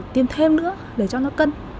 tiêm thêm nữa để cho nó cân